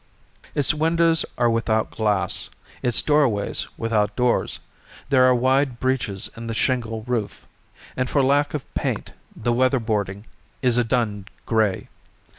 Its windows are without glass, its doorways without doors; there are wide breaches in the shingle roof, and for lack of paint the weatherboarding is a dun gray.